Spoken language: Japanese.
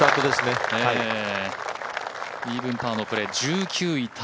イーブンパーのプレー１９位